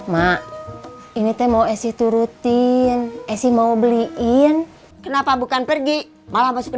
mak ini mau es turutin es mau beliin kenapa bukan pergi malah masuk ke